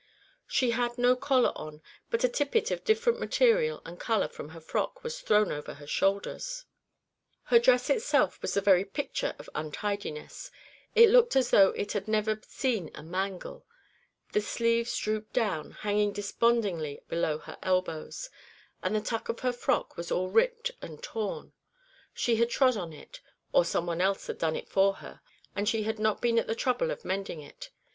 She had no collar on, but a tippet of different material and colour from her frock was thrown over her shoulders. Her dress itself was the very picture of untidiness; it looked as though it had never seen a mangle; the sleeves drooped down, hanging despondingly below her elbows; and the tuck of her frock was all ripped and torn she had trod on it, or some one else had done it for her, and she had not been at the trouble of mending it.